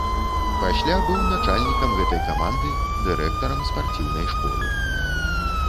Пасля быў начальнікам гэтай каманды, дырэктарам спартыўнай школы.